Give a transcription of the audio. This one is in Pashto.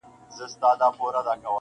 سینه غواړمه چي تاب د لمبو راوړي,